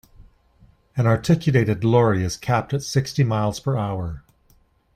An articulated lorry is capped at sixty miles-per-hour.